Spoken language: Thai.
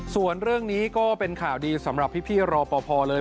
ส่วนเรื่องนี้ก็เป็นข่าวดีสำหรับพี่รอปภเลย